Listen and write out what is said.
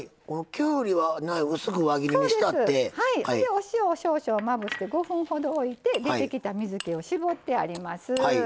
お塩を少々まぶして５分ほど置いて出てきた水けを絞ってあります。